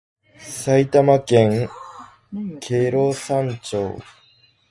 埼玉県毛呂山町